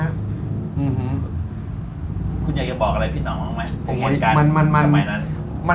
อเจมส์คุณอยากจะบอกอะไรเพื่อนพี่หนองหรือไหมถูกเห็นกันเถอะมั้ย